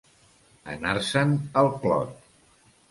Anar-se'n al clot.